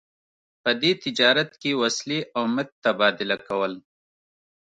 په دې تجارت کې وسلې او مهت تبادله کول.